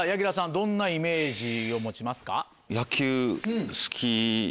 どんなイメージを持ちますか？